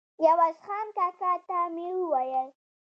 عوض خان کاکا ته مې وویل.